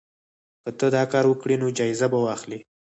که ته دا کار وکړې نو جایزه به واخلې.